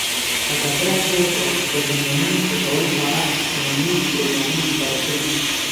ازادي راډیو د د ځنګلونو پرېکول په اړه ښوونیز پروګرامونه خپاره کړي.